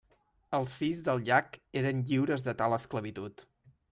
Els fills del llac eren lliures de tal esclavitud.